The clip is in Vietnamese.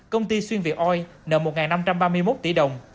công ty xuyên việc oil nợ một năm trăm ba mươi một tỷ đồng